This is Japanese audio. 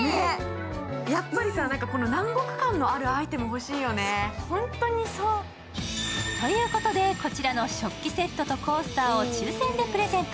やっぱり南国感のアイテム欲しいよね。ということで、こちらの食器セットとコースターを抽選でプレゼント。